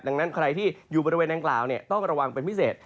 ดังนั้นใครที่อยู่บริเวณดังกล่าวต้องระวังเป็นพิเศษ